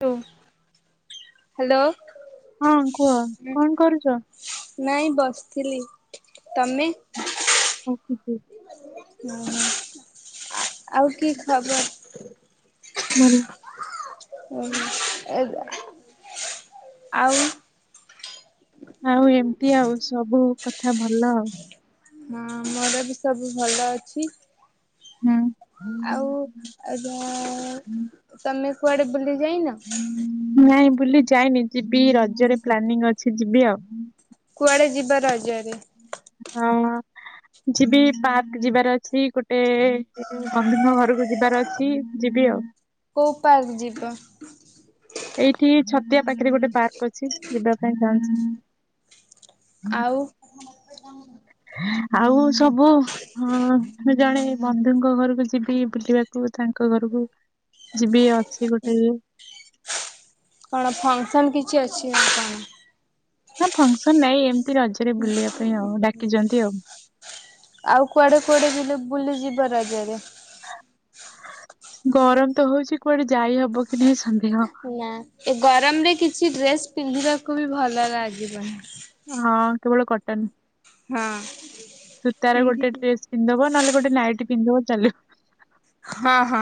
ତୁ ହାଲୋ। ହଁ କୁହ କଣ କରୁଚ। ନାଇଁ ବସିଥିଲି ତମେ? [unintelligible] ହୁଁ ଆ ଆଉ କି ଖବର? ଭଲ। [unintelligible] ଆଉ ଆଉ ଏମିତି ଆଉ ସବୁ କଥା ଭଲ ଆଉ। ହଁ ମୋର ବି ସବୁ ଭଲ ଅଛି। ହୁଁ। ଆଉ [unintelligible] ତମେ କୁଆଡେ ବୁଲି ଯାଇନ? ନାଇଁ ବୁଲି ଯାଇନି ଯିବି ଏ ରଜରେ ପ୍ଲାନିଂ ଅଛି ଯିବି ଆଉ। କୁଆଡ଼େ ଯିବ ରଜରେ? ହଁ। ଯିବି ପାର୍କ ଯିବାର ଅଛି ଗୋଟେ ବନ୍ଧୁଙ୍କ ଘରକୁ ଯିବାର ଅ ହୁଁ ଯିବି ଆଉ। କୋଉ ପାର୍କ ଯିବ? ଏଇଠି ଛତିଆ ପାଖରେ ଗୋଟେ ପାର୍କ ଅଛି ଯିବା ପାଇଁ ଚାହୁଁଛି? ଆଉ ଆଉ ସବୁ ହଁ ମୁଁ ଜଣେ ବନ୍ଧୁଙ୍କ ଘରକୁ ଯିବି ବୁଲିବାକୁ ତାଙ୍କ ଘରକୁ। ଯିବି ଅଛି ଗୋଟେ କଣ ଫଙ୍କସନ୍ କିଛି ଅଛି ନା କଣ? ନା ଫଙ୍କସନ ନାଇଁ ଏମିତି ରଜରେ ବୁଲିବା ପାଇଁ ଆଉ ଡାକିଛନ୍ତି ଆଉ। ଆଉ କୁଆଡେ କୁଆଡେ ଯେ ବୁଲି ଯିବା ରଜରେ? ଗରମ ତ ହଉଛି କୁଆଡେ ଯାଇ ହବ କି ନାହିଁ ସନ୍ଦେହ? ନା ଏ ଗରମରେ କିଛି ଡ୍ରେସ ପିନ୍ଧିବାକୁ ବି ଭଲ ଲାଗିବନି। ହଁ କେବଳ କଟନ ହଁ ସୂତାର ଗୋଟେ ପିନ୍ଧିକି ଡ୍ରେସ୍ ପିନ୍ଧବ ନହେଲେ ଗୋଟେ ନାଇଟି ପିନ୍ଧବ ଚାଲିବ। ହଁ ହଁ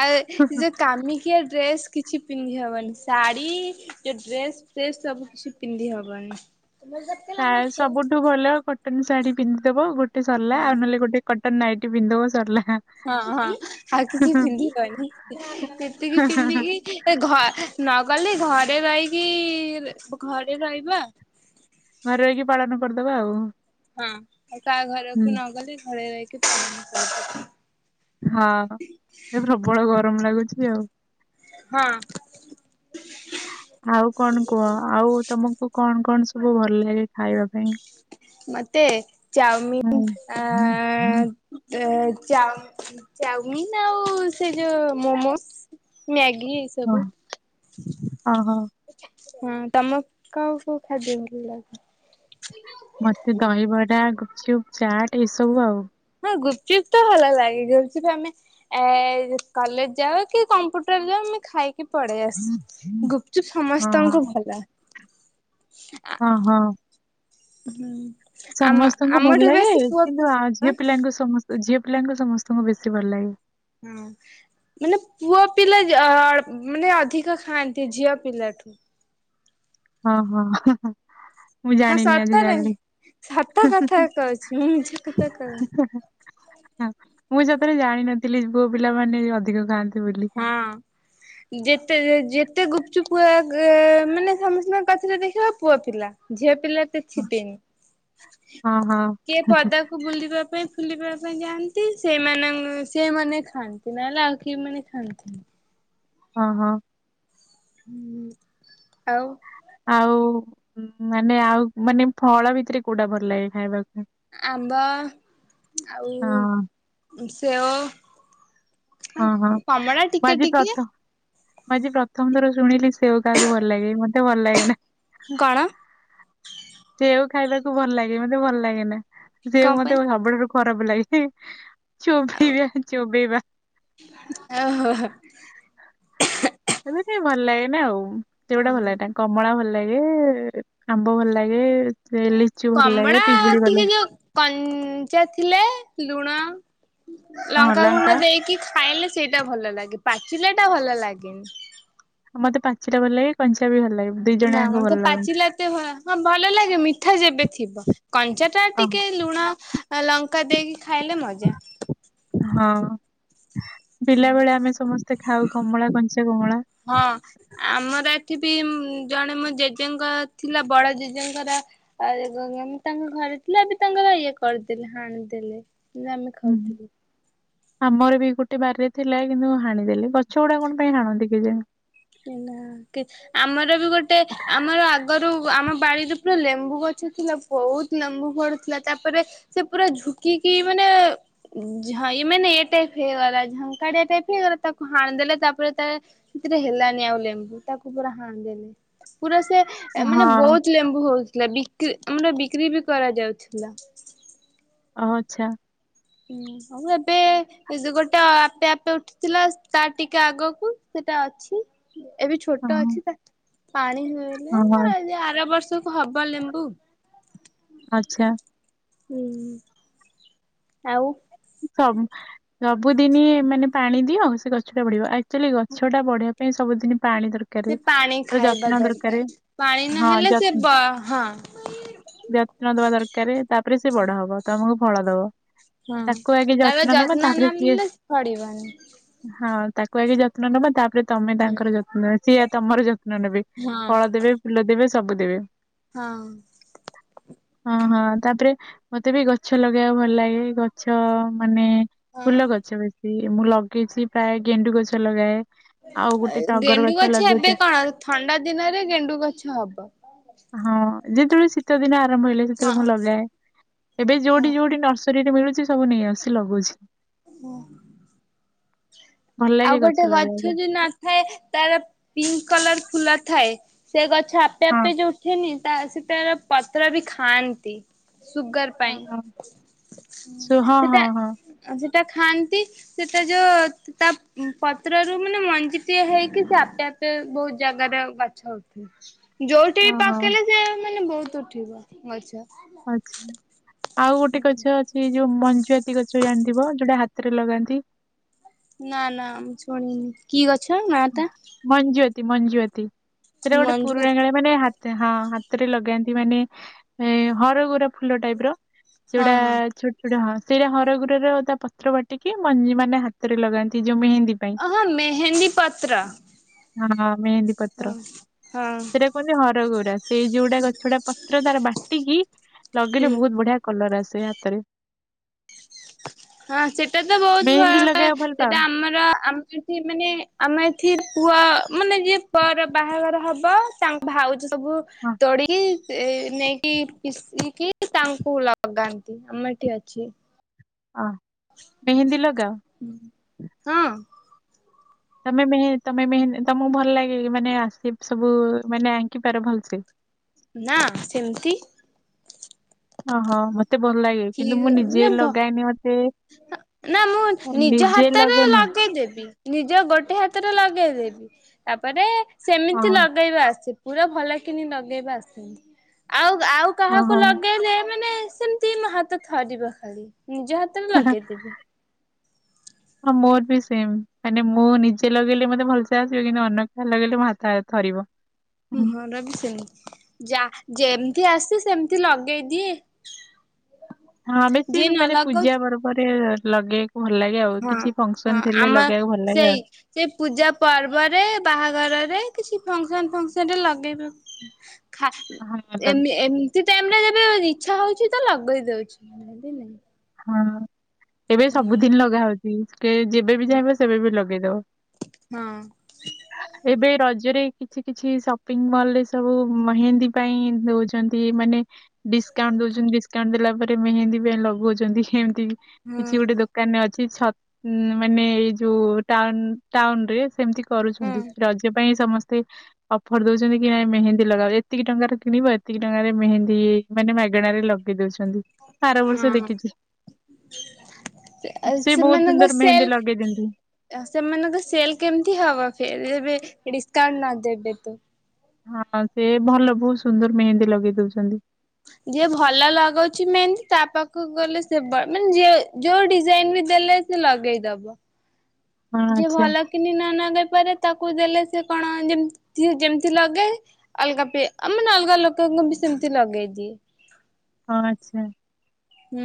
ଆଉ ଯୁ ଦାମିକିଆ ଡ୍ରେସ୍ କିଛି ପିନ୍ଧି ହେବନି ଶାଢ଼ୀ ଯୋଉ ଡ୍ରେସ ଫ୍ରେସ୍ ସବୁ କିଛି ପିନ୍ଧି ହବନି। ସବୁଠୁ ଭଲ କଟନ ଶାଢୀ ପିନ୍ଧିଦବ ଗୋଟେ ସରିଲା ହଁ। ଆଉ ନହେଲେ ଗୋଟେ କଟନ ନାଇଟି ପିନ୍ଧିଦବ ସରିଲା। ହଁ ହଁ ଆଉ କିଛି ପିନ୍ଧିବନି ସେତିକି ପିନ୍ଧିକି ଏ ଘ ନଗଲେ ଘରେ ରହିକି ଘରେ ରହିବା। ଘରେ ରହିକି ପାଳନ କରିଦବା ଆଉ। ହଁ ଆଉ କାହା ହୁଁ ଘରକୁ ନଗଲେ ଘରେ ରହିକି ପାଳନ କରିିଦବା। ହଁ ଏ ପ୍ରବଳ ଗରମ ଲାଗୁଛି ଆଉ। ହଁ। ଆଉ କଣ କୁହ ଆଉ ତମକୁ କଣ କଣ ସବୁ ଭଲ ଲାଗେ ଖାଇବା ପାଇଁ? ମତେ ଚାଉମିନ୍ ହୁଁ। ଆଁ ଅ ଚାଉମ୍ ଚାଉମିିନ ଆଉ ସେ ଯୋଉ ମୋମୋସ୍। ମ୍ୟାଗି ଏଇ ଓ ସବୁ। ଓହୋ ହଁ ତମକୁ କୋଉ କୋଉ ଖାଦ୍ୟ ଭଲ ଲାଗେ? [inaudible] ମତେ ଦହିବରା ଗୁପଚୁପ୍ ଚାଟ୍ ଏସବୁ ଆଉ। ହଁ ଗୁପଚୁପ୍ ତ ଭଲ ଲାଗେ ଗୁପଚୁପ୍ ଆମେ ଏ କଲେଜ ଯାଉ କି କମ୍ପ୍ୟୁଟର ଯାଉ ମୁଁ ଖାଏ କି ପଳେଇ ଆସୁ ଗୁପଚୁପ୍ ଓହୋ ସମସ୍ତଙ୍କୁ ଭଲ। ଆ ହଁ ହଁ। ହୁଁ। ଆମ ସମସ୍ତଙ୍କୁ ଭଲ ଆମଠୁ ଲାଗେ ବେଶୀ ପୁଅ କିନ୍ତୁ ପିଲା ଆ ଆଁ ଝିଅ ପିଲାଙ୍କୁ ସମସ୍ତ ଝିଅ ପିଲାଙ୍କୁ ସମସ୍ତଙ୍କୁ ବେଶୀ ଭଲ ଲାଗେ। ହୁଁ। ମାନେ ପୁଅ ପିଲା ଯ ଅଳ୍ପ ମାନେ ଅଧିକ ଖାଆନ୍ତି ଝିଅ ପିଲାଠୁ। ହଁ ହଁ। ମୁଁ ହଁ ଜାଣିନି ଆଜି ସତରେ ଜାଣିଲି। ସତ ହଁ ହଁ କଥା କହୁଛି ମୁଁ ମିଛ କଥା କହୁନି ହଁ ହଁ। ହଁ ମୁଁ ସତରେ ଜାଣିନଥିଲି ପୁଅ ପିଲାମାନେ ଅଧିକ ଖାଆନ୍ତି ବୋଲି। ହଁ। ଯେତେ ଯେତେ ଗୁପଚୁପ୍ ଆ ଗ ମାନେ ସମସ୍ତଙ୍କ ପାଖରେ ଦେଖିବ ପୁଅ ପିଲା। ଝିଅ ପିଲା ତ ଥିବେନି ହଁ ହଁ କିଏ ପଦାକୁ ବୁଲିବା ପାଇଁ ବୁଲିବା ପାଇଁ ଯାଆନ୍ତି ସେମାନେ ସେମାନେ ଖାଆନ୍ତି ନହେଲେ ଆଉ କେଉଁମାନେ ଖାଆନ୍ତିନି। ହଁ ହଁ। ହଁ ଆଉ। ଆଉ ମାନେ ଆଉ ମାନେ ଫଳ ଭିତରେ କୋଉଟା ଭଲ ଲାଗେ ଖାଇବା ପାଇଁ? ଆମ୍ବ ଆଉ ହଁ ସେଓ। ଆଉ ହଁ ହଁ କମଳା ମୁଁ ଟିକିଏ ଆଜି ଟିକିଏ। ପ୍ରଥମ ମୁଁ ଆଜି ପ୍ରଥମ ଥର ଶୁଣିଲି ସେଓ କାହାକୁ ଭଲ ଲାଗେ ମୋତେ ଭଲ ଲାଗେନା। ହ୍ କଣ ସେଓ ଖାଇବାକୁ ଭଲ ଲାଗେ ମୋତେ ଭଲ ଲାଗେନା। କଣ ସେଓ ପାଇଁ ମୋତେ ସବୁଠାରୁ ଖରାପ ଲାଗେ ଚୋବେଇବା ଚୋବେଇବା। ଆ ହୋ ହୋ। ଏମତି ଭଲ ଲାଗେନା ଆଉ ସେଓଟା ଭଲ ଲାଗେନା କମଳା ଭଲ ଲାଗେ ଆମ୍ବ ଭଲ ଲାଗେ ଲିଚୁ ଭଲ ଲାଗେ ପିଜୁଳି ଭଲ ଲାଗେ। କନ୍-ଚା ଥିଲେ ଲୁଣ ହଁ ଲଙ୍କା ଲଙ୍କାଗୁଣ୍ଡ ଦେଇକି ଖାଇଲେ ସେଇଟା ଭଲ ଲାଗେ ପାଚିଲାଟା ଭଲ ଲାଗେନି। ଆଉ ମତେ ପାଚିଲା ଭଲ ଲାଗେ କଞ୍ଚା ବି ଭଲ ଲାଗେ। ଦି ଜଣ ନା ଯାକ ଭଲ ମୋତେ ଲାଗନ୍ତି। ପାଚିଲା ଏତେ ଭଲ ହଁ ଭଲ ଲାଗେ ମିଠା ଯେବେ ଥିବ। କଞ୍ଚାଟା ଅ ଟିକେ ଲୁଣ, ଲଙ୍କା ଦେଇକି ଖାଇଲେ ମଜା। ହଁ ପିଲା ବେଳେ ଆମେ ସମସ୍ତେ ଖାଉ କମଳା କଞ୍ଚା କମଳା। ହଁ। ଆମର ଏଠି ବି ଜଣେ ମୋ ଜେଜେଙ୍କ ଥିଲା ବଡ ଜେଜେଙ୍କର [unintelligible] ତାଙ୍କ ଘରେ ଥିଲା ଏବେ ତାଙ୍କର ଇଏ କରିଦେଲେ ହାଣିଦେଲେ। ନା ଆମେ ହୁଁ। ଖାଉଥିଲୁ। ଆମର ବି ଗୋଟେ ବାରିରେ ଥିଲା କିନ୍ତୁ ହାଣିଦେଲେ ଗଛ ଗୁଡା କଣ ପାଇଁ ହାଣନ୍ତି କେଜାଣି। କି ନା କିଚ୍ ଆମର ବି ଗୋଟେ ଆମର ଆଗରୁ ଆମ ବାଡିରେ ପୁରା ଲେମ୍ବୁ ଗଛ ଥିଲା। ବହୁତ ଲେମ୍ବୁ ଫଳୁ ଥିଲା। ତାପରେ ସେ ପୁରା ଝୁକିକି ମାନେ ଝ ମାନେ ଏ ଟାଇପ ହେଇଗଲା ଝଙ୍କାଡିଆ ଟାଇପ ହେଇଗଲା ତାକୁ ହାଣି ଦେଲେ ତାପରେ ତା ସେଥିରେ ହେଲା ନି ଆଉ ଲେମ୍ବୁ ତାକୁ ପୁରା ହାଣି ଦେଲେ। ପୁରା ସେ ହଁ ମାନେ ବହୁତ ଲେମ୍ବୁ ହଉଥିଲା। ବି କ୍ରି ଆମର ବିକ୍ରି ବି କରାଯାଉଥିଲା। ଅ ଚ୍ଛା। ହୁଁ ଆଉ ଏବେ ଏ ଯ ଗୋଟେ ଆପେ ଆପେ ଉଠିଥିଲା ତା ଟିକେ ଆଗକୁ ସେଟା ଅଛି। ଏବେ ଛୋଟ ହଁ ଅଛି ତ ପାଣି ହେଲେ ହଁ ଏ ଆର ବର୍ଷକୁ ହବ ଲେମ୍ବୁ। ଆଚ୍ଛା। ହୁଁ। ଆଉ। [inaudible] ସବୁଦିନି ମାନେ ପାଣି ଦିଅ ସେ ଗଛଟା ବଢିବ, ଆକ୍ଚୁଆଲି ଗଛଟା ବଢିବା ପାଇଁ ସବୁଦିନ ପାଣି ଦର ସେ ପାଣି ଖାଇବା ଦରକାର, ପାଣି ହଁ ନହେଲେ ସେ ଯତ୍ନ ବ, ହଁ। ଯତ୍ନ ଦବା ଦରକାରେ ତାପରେ ସେ ବଡ ହବ, ତମକୁ ଫଳ ଦବ। ହଁ, ତାକୁ ଆଗେ ତାପରେ ନବା ଯତ୍ନ ତାପରେ ନ ସିଏ ନେଲେ ଫଳିବନି। ହଁ, ତାକୁ ଆଗେ ଯତ୍ନ ନବା ତାପରେ ତମେ ତାଙ୍କର ଯତ୍ନ ନବ, ସିଏଆ ତମର ଯତ୍ନ ନେବେ। ହଁ ଫଳ ଦେବେ ଫୁଲ ଦେବେ ସବୁ ଦେବେ। ହଁ। ହଁ, ହଁ, ତାପରେ ମତେ ବି ଗଛ ଲଗେଇବାକୁ ଭଲ ଲାଗେ, ଗଛ ମାନେ ହଁ ଫୁଲ ଗଛ ବେଶୀ, ମୁଁ ଲଗେଇଛି ପ୍ରାୟ ଗେଣ୍ଡୁ ଗଛ ଲଗାଏ। ଆଉ ଗୋଟେ ଟଗର ଗେଣ୍ଡୁ ଗଛ ଏବେ ଲଗେଇଥିଲି କଣ, ଥଣ୍ଡା ଦିନରେ ଗେଣ୍ଡୁ ଗଛ ହବ। ହଁ, ଯେତେବେଳେ ଶୀତ ଦିନ ଆରମ୍ଭ ହେଲେ ସେତେବେଳେ ହଁ ମୁଁ ଲଗାଏ, ଏବେ ହଁ ଯୋଉଠି ଯୋଉଠି ନର ସରୀରେ ମିଳୁଛି ସବୁ ନେଇ ଆସି ଲଗୁଛି। ହୁଁ। ଭଲ ଆଉ ଲାଗେ ଗୋଟେ ଗଛ ଲଗେଇବାକୁ ଯୋଉ ନ ଥାଏ ତାର ପିଙ୍କ୍ କଲର୍ ଫୁଲ ଥାଏ, ସେ ଗଛ ଆପେ ହଁ ଆପେ ଯୋଉ ଉଠେନି ତା ସେ ତାର ପତ୍ର ବି ଖାଆନ୍ତି। ସୁଗାର ହଁ ପାଇଁ, ହଁ ସୁ ହଁ ସେଟା ହଁ ହଁ ଆଉ ସେଟା ଖାଆନ୍ତି, ସେଟା ଯୋଉ ତା ପତ୍ରରୁ ମାନେ ମଞ୍ଜିଟିଏ ହେଇକି ସେ ଆପେ ଆପେ ବହୁତ ଜାଗାରେ ଗଛ ହଉ ଛି, ଯୋଉଠି ହଁ ବି ହଁ ପାକେଇଲେ ସେ ମାନେ ବହୁତ ଉଠିବ ଗଛ। ଆଚ୍ଛା, ଆଉ ଗୋଟେ ଗଛ ଅ ଛି, ଯୋଉ ମଞ୍ଜୁଆତି ଗଛ ଜାଣିଥିବ ଯୋଉଟା ହାତରେ ଲଗାନ୍ତି। ନା, ନା, ମୁଁ ଶୁଣିନି, କି ଗଛ ନାଆ ଟା? ମଞ୍ଜୁଆତି ମଞ୍ଜୁଆତି, ସେଇଟା ଗୋଟେ ମଞ୍ଜୁ ପୁରୁଣା କାଳରେ ମାନେ ହା ହଁ, ହାତରେ ଲଗାନ୍ତି, ମାନେ ଏଁ ହରଗୌରା ଫୁଲ ଟାଇପର। ସେଇ ହଁ ଗୁଡା ହଁ। ଛୋ ଛୋଟ ହଁ, ସେଇଟା ହରଗୌରା ର ତା ପତ୍ର ବାଟିକି ମଞ୍ଜି ମାନେ ହାତରେ ଲଗାନ୍ତି ଯୋଉ ମେହେନ୍ଦୀ ପାଇଁ। ହଁ, ମେହେନ୍ଦୀ ପତ୍ର। ହଁ, ମେହେନ୍ଦୀ ହଁ ପତ୍ର। ହଁ। ସେଇଟାକୁ କୁହନ୍ତି ହରଗୌରା, ସେଇ ଯୋଉଟା ଗଛଟା ପତ୍ର ତାର ବାଟିକି ହୁଁ ଲଗେଇଲେ ବହୁତ ବଢିଆ କଲର୍ ଆସେ ହାତରେ। ହଁ, ସେଟା ତ ବହୁତ ଭଲ ମେହେନ୍ଦୀ ଲଗେଇବାକୁ ଭଲ [unintelligible] ପାଅ ସେଟା ଆମ ର [unintelligible] ଏଠି ମାନେ ଆମ ଏଠି ପୁଅ ମାନେ ଯିଏ ପୁଅର ବାହାଘର ହବ ତା ଭାଉଜ ସବୁ ହଁ ତୋଡିକି ସେ ନେଇକି ପିଶିକି ତାଙ୍କୁ ଲଗାନ୍ତି, ଆମର ଏଠି ଅଛି। ଅ ମେହେନ୍ଦୀ ଲଗାଅ? ହଁ। ତମେ ମେହେ ତମେ ମେହେ ତମକୁ ଭଲ ଲାଗେ ମାନେ ଆସେ ସବୁ ମାନେ ଆଙ୍କି ପାର ଭଲସେ? ନା, ସେମିତି। ଓହୋଃ, ମତେ ଭଲ ଲାଗେ କିନ୍ତୁ ମୁଁ ଠିକ ନିଜେ ମାନେ ଭ ଲଗାଏନି ମତେ ନା, ମୁଁ ନିଜ ନିଜେ ହାତରେ ଲଗଉନ ଲ ଗେଇଦବି ନିଜ ଗୋଟେ ହାତରେ ଲଗେଇଦେବି ତାପରେ ସେମିତି ଓହୋ ଲଗେଇବା ଆସେ ପୁରା ଭଲ କିିନି ଲଗେଇବା ଆସନ୍ତି। ଆଉ ଆଉ କାହାକୁ ଓହୋ ଲଗେଇଲେ ମାନେ ସେମିତି ମୋ ହାତ ଥରିବ ଖାଲି ନିଜ ହାତରେ ଲଗେଇଦେବି। ହଁ ମୋର ବି ସେମ ମାନେ ମୁଁ ନିଜେ ଲଗେଇଲେ ମତେ ଭଲସେ ଆସିବ କିନ୍ତୁ ଅନ୍ୟ କାର ଲଗେଇଲେ ମୋ ହାତ ଥରିବ। [inaudible] [unintelligible] ଯା ଯେମିତି ଆସି ସେମିତି ଲଗେଇଦିଏ। ହଁ, ବେଶୀ ଯିଏ ନ ମାନେ ପୂଜା ଲଗଉଛି ପର୍ବରେ ଲଗେ ଭଲ ଲାଗେ ଆଉ ହଁ କିଛି ହଁ ଫଙ୍କସନ ଥିଲେ ଆମ ଲଗେଇବାକୁ ଭଲ ଲାଗେ ଆଉ। ସେଇ ସେ ପୂଜା ପର୍ବରେ ବାହାଘରରେ କିଛି ଫଙ୍କସନ ଫଙ୍କସନ ରେ ଲଗେଇବାକୁ ହଁ [inaudible] ଏ ଏମିତି ତ ଏମିବେ ଇଚଛା ହଉଛି ତ ଲଗେଇ ଦଉଛିତି। ନହେଲେ ନାଁହ୍ନି। ହଁ, ଏବେ ସବୁଦିନ ଲଗା ହଉଛି। କେ ଯେବେବି ହଁ ଚାହିଁବ ସେବେ ବି ଲଗେଇଦବ। ହଁ ଏବେ ରଜରେ କିଛି କିଛି ସପିଂ ମଲରେ ସବୁ ମେହେନ୍ଦୀ ପାଇଁ ଦଉଛି। ମାନେ ଡିସକାଉଣ୍ଟ ଦଉଛନ୍ତି ଡିସକାଉଣ୍ଟ ଦେଲା ପରେ ମେହନ୍ଦୀ ଲଗାଉ ମତି ହଁ କିଛି ଗୋଟେ ଦ କାନେ ଅଛିଛ ମାନେ ଏଇ ଯୋଉ ଟାଉନ୍ ଟାଉନରେ ସେମିତି କରୁଛନ୍ତି ହଁ ରଜ ପାଇଁ ସମସ୍ତେ ଅଫର ଦଉଛନ୍ତି କି ନାଇଁ ମେହେନ୍ଦୀ ଲଗାଅ ଏତିକି ଟଙ୍କାରେ କିଣିବ ଏତିକି ଟଙ୍କାରେ ମେହେନ୍ଦୀ ମାନେ ମାଗଣାରେ ଲଗେଇ ଦଉଛନ୍ତି ଆର ବର୍ଷ ହଁ ଦେଖିଛି। ସେ ବହୁତ ସେମାନଙ୍କ ସୁନ୍ଦର ମେହେନ୍ଦୀ ସେଲ୍ ଲଗେଇ ଦିଅନ୍ତି ସେମାନଙ୍କ ସେଲ କେମିତି ହବ ଫିର୍ ଏବେ ଡିସକାଉଣ୍ଟ ନ ଦେବେ ତ। ହଁ, ସେ ଭଲ ବହୁତ ସୁନ୍ଦର ମେହେନ୍ଦୀ ଲଗେଇ ଦଉଛନ୍ତି। ଯିଏ ଭଲ ଲଗାଉଛି ମେହେନ୍ଦି ତା ପାଖକୁ ଗଲେ ସେ ମାନେ ଯ ଯୋଉ ଡିଜାଇନ ବି ଦେଲେ ସେ ଲଗେଇଦବ। ହଁ ଯିଏ ଆଚ୍ଛା ଭଲ କିିନି ନ ନଗାଇ ପାରେ ତାକୁ ଦେଲେ ସେ କଣ ଯେ ଯେମିତି ଲଗାଏ ଅଲଗା ପି ଆ ମାନେ ଅଲଗା ଲୋକଙ୍କୁ ବି ସେମିତି ଲଗେଇଦିଏ। ହଁ, ଆଛା। ହୁଁ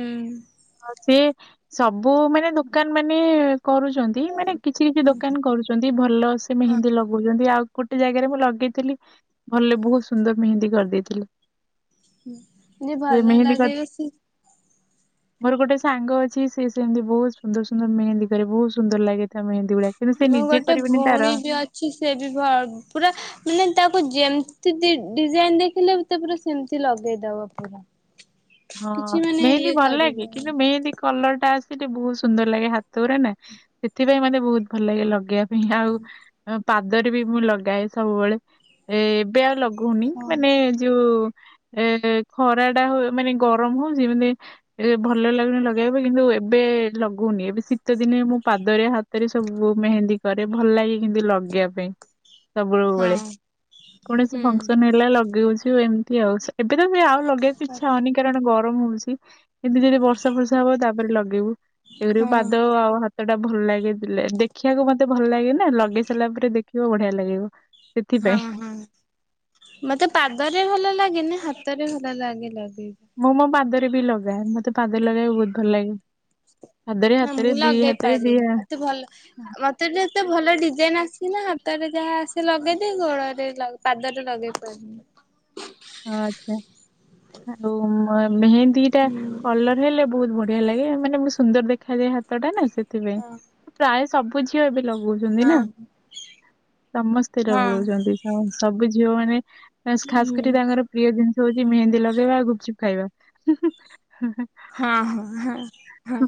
ହଁ, ସିଏ ସବୁ ମାନେ ଦୋକାନମାନେ କରୁଛନ୍ତି ମାନେ କିଛି କିଛି ଦୋକାନ କରୁ ଭଲ ସେ ହଁ ମେହେନ୍ଦୀ ଲଗଉଛନ୍ତି ଆଉ ଗୋଟେ ଜାଗାରେ ମୁଁ ଲଗେଇଥିଲି ଭଲରେ ବହୁତ ସୁନ୍ଦର ମେହେନ୍ଦୀ କରିଦେଇଥିଲେ। ହୁଁ ଯିଏ ଭଲ ମେହେନ୍ଦୀ କରି ଲାଗେଇବେ ସି ମୋର ଗୋଟେ ସାଙ୍ଗ ଅଛି ସିଏ ସେମିତି ବହୁତ ସୁନ୍ଦର ସୁନ୍ଦର ମେହେନ୍ଦି କରେ ବହୁତ ସୁନ୍ଦର ଲାଗେଥା ମେହେନ୍ଦୀ ଗୁଡା। କିନ୍ତୁ ସେ ନିଜେ କରିବେନି ତାର ଶି ସେ ବି ପୁରା ମାନେ ତାକୁ ଯେମିତି ଡିଜାଇନ ଦେଖିଲେ ତା ପୁରା ସେମିତି ଲଗେଇ ଦବ ପୁରା। ହଁ, କିଛି ମାନେ ମେହେନ୍ଦି ଇଏ ଭଲ ଲାଗେ କରିବନି କିନ୍ତୁ ମେହେନ୍ଦି କଲର ଟା ଆସ ଟିକେ ବହୁତ ସୁନ୍ଦର ଲାଗେ ହାତରେ ନା ସେଥିପାଇଁ ମତେ ବହୁତ ଭଲ ଲାଗେ ଲଗେଇବା। ହଁ ଆଉ ପାଦରେ ବି ମୁଁ ଲଗାଏ ସବୁବେଳେ ଏ ଏବେ ଆଉ ଲଗ କହୁନି ହଁ। ମାନେ ଯୋଉ ଏ ଖରା ଟା ହ ମାନେ ଗରମ ହଉଛି ମାନେ ଏ ଭଲ ଲାଗୁନି ଲଗେଇବା ପାଇଁ କିନ୍ତୁ ଏବେ ଲଗଉନି ଏବେ ଶୀତ ଦିନେ ମୁଁ ପାଦରେ ହାତ ଭରେ ସବୁ ମେହେନ୍ଦୀ କରେ ଭଲ ଲାଗେ କେମତି ଲଗେଇବା ପାଇଁ। ସବୁବେଳେ ହଁ। କୌଣସି ହୁଁ ଫଙ୍କସନ ହେଲା ଲଗେଇଉଛି ଏମ ତି ଆଉ ଏବେ ତ ଆଉ ଲଗେଇବାକୁ ଇଚ୍ଛା ହଉନି କାରଣ ଗରମ ହଉଛି। ଏମିତି ଯଦି ଫର୍ଷା ବର୍ଷା ହବ ତାପରେ ଲଗେଇବୁ ଏପରି ହଁ। ପାଦ ଆଉ ହା ସେଟା ଭଲ ଲାଗେ ଦେଖିବାକୁ ମତେ ଭଲ ଲାଗେ ନା ଲଗେଇ ସାରିଲା ପରେ ଦେଖିବ ବଢିଆ ଲାଗିବ। ସେଥିପାଇଁ ହଁ ହଁ। ମତେ ପାଦରେ ଭଲ ଲାଗେନି ହାତରେ ଭଲ ଲାଗେ ଲଗେଇବା। ମୁଁ ମୋ ପାଦରେ ବି ଲଗାଏ ମତେ ପାଦରେ ଲଗାଇବାକୁ ବହୁତ ଭଲ ଲାଗେ। ପାଦରେ ନାଁ ହାତରେ ମୁଁ ଦି ହାତରେ ଦି ଲଗେଇପାରିଲିନି ମତେ ଭଲ ମ ମତେଟେ ଏତେ ଭଲ ଡିଜାଇନ ଆସିନା ହାତରେ ଯାହା ଆସେ ଲଗେଇଦିଏ ଗୋଡରେ ପାଦରେ ଲଗେଇ ପାରେନି। ଆଛା ଆଉ ମେହେନ୍ଦୀଟା ହୁଁ। କଲର ହେଲେ ବହୁତ ବଢିଆ ଲାଗେ ମାନେ ମୁଁ ସୁନ୍ଦର ଦେଖାଯାଏ ହାତଟା ନା ସେଥିପାଇଁ ହଁ ପ୍ରାୟ ସବୁ ଝିଅ ଏବେ ଲଗଉଛନ୍ତି ନା ହଁ ସମସ୍ତେ ହଁ ଲଗଉଛନ୍ତି। ହଁ ସବୁ ଝିଅ ମାନେ ଖାସ ହୁଁ କରି ତାଙ୍କର ପ୍ରିୟ ଜିନିଷ ହଉଛି ମେହେନ୍ଦୀ ଲଗେଇବା ଗୁପଚୁପ୍ ଖାଇବା। ହଁ ହଁ ହୁଁ ହୁଁ।